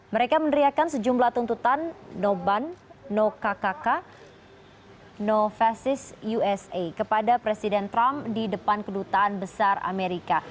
mereka meneriakan sejumlah tuntutan no ban no kkk no fesis usa kepada presiden trump di depan kedutaan besar amerika